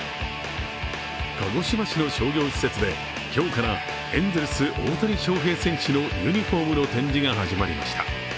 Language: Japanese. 鹿児島市の商業施設で今日からエンゼルス・大谷翔平選手のユニフォームの展示が始まりました。